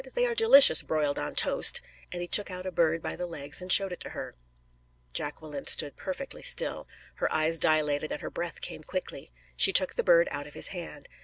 "They are delicious broiled on toast" and he took out a bird by the legs and showed it to her. Jacqueline stood perfectly still. Her eyes dilated and her breath came quickly. She took the bird out of his hand.